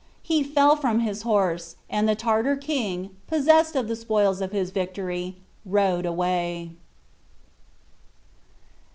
He fell from his horse, and the Tartar king, possessed of the spoils of his victory, rode away.